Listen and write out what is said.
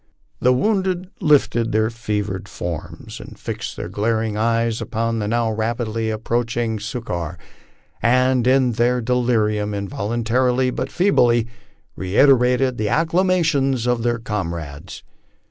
The wounded lifted their fevered forms and fixed their glaring eyes upon the now rapidly approaching succor, and in their delirium involuntarily but feebly reiterated the acclamations of their comrades.